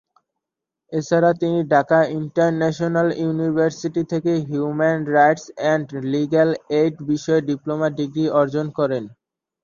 এছাড়া তিনি Dhaka international university থেকে human rights and legal aid বিষয়ে ডিপ্লোমা ডিগ্রি অর্জন করেন।